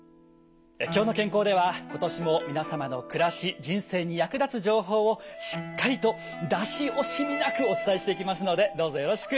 「きょうの健康」では今年も皆様の暮らし人生に役立つ情報をしっかりと出し惜しみなくお伝えしていきますのでどうぞよろしく。